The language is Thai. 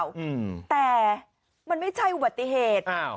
อืมแต่มันไม่ใช่อุบัติเหตุอ้าว